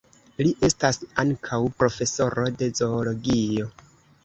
Li estas ankaŭ profesoro de zoologio.